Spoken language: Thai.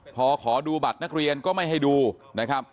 พอขอดูบัตรนักเรียนก็ไม่ให้ดูนะครับ